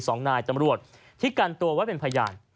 สองนายตำรวจที่กันตัวไว้เป็นพยาน